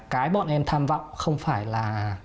cái bọn em tham vọng không phải là